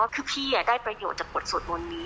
คือพี่ได้ประโยชน์จากบทสวดมนต์นี้